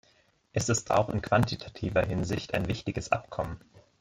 Es ist auch in quantitativer Hinsicht ein wichtiges Abkommen.